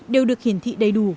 đều được hiển thị đầy đủ